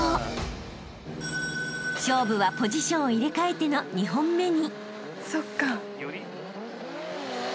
［勝負はポジションを入れ替えての２本目に］